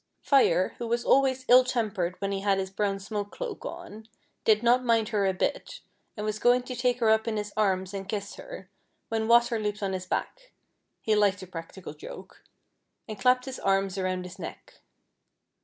'" Fire, who was always ill tempered when he had his brown smoke cloak on, did not mind her a bit, and was going to take her up in his arms and kiss her, when Water leaped on his back, — he liked a practical joke, — and clapped his arms around his neck.